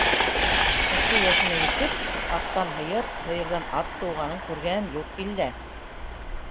Ошо йәшемә етеп, аттан - һыйыр, һыйырҙан - ат тыуғанын күргәнем юҡ иллә...